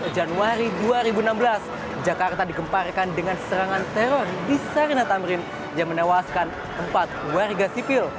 empat belas januari dua ribu enam belas jakarta dikemparkan dengan serangan teror di sarinatamrin yang menewaskan empat warga sivil